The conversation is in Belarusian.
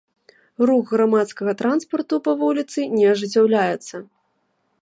Рух грамадскага транспарту па вуліцы не ажыццяўляецца.